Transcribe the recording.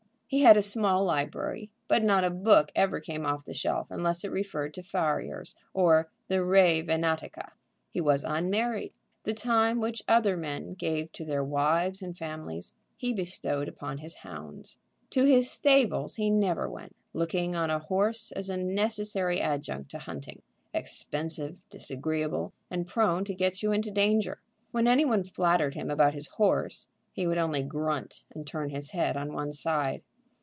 He had a small library, but not a book ever came off the shelf unless it referred to farriers or the res venatica. He was unmarried. The time which other men gave to their wives and families he bestowed upon his hounds. To his stables he never went, looking on a horse as a necessary adjunct to hunting, expensive, disagreeable, and prone to get you into danger. When anyone flattered him about his horse he would only grunt, and turn his head on one side.